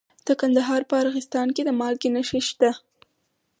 د کندهار په ارغستان کې د مالګې نښې شته.